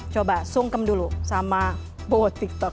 coba sungkem dulu sama bowo tiktok